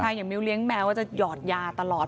ใช่อย่างมิ้วเลี้ยงแมวจะหยอดยาตลอด